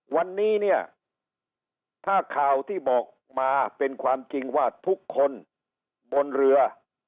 วันนี้เนี่ยถ้าข่าวที่บอกมาเป็นความจริงว่าทุกคนบนเรือ